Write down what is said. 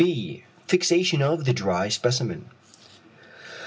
[beta]. Fixation of the dry specimen.